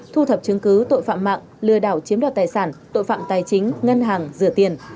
thu thập chứng cứ tội phạm mạng lừa đảo chiếm đoạt tài sản tội phạm tài chính ngân hàng rửa tiền